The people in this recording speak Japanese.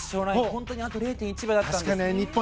本当にあと０．１秒だったんです。